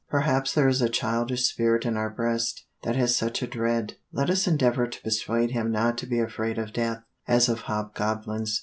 Perhaps there is a childish spirit in our breast, that has such a dread. Let us endeavor to persuade him not to be afraid of death, as of hobgoblins.'